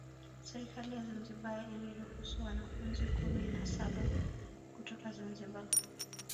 Serikali ya Zanzibar iliruhusu wanafunzi kumi na saba kutoka Zanzibar